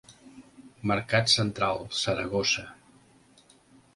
Mercat Central, Saragossa.